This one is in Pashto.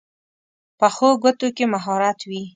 پخو ګوتو کې مهارت وي